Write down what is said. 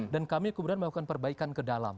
dan kami kemudian melakukan perbaikan ke dalam